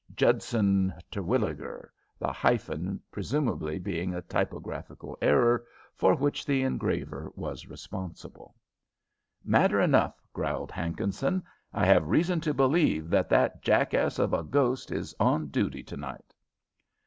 Judson Terwilliger," the hyphen presumably being a typographical error, for which the engraver was responsible. "Matter enough," growled Hankinson. "I have reason to believe that that jackass of a ghost is on duty to night."